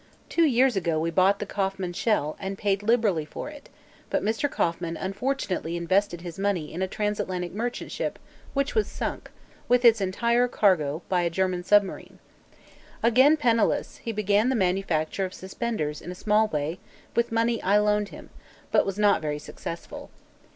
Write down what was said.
Two years ago we bought the Kauffman shell, and paid liberally for it, but Mr. Kauffman unfortunately invested his money in a transatlantic merchant ship which was sunk, with its entire cargo, by a German submarine. Again penniless, he began the manufacture of suspenders, in a small way, with money I loaned him, but was not very successful.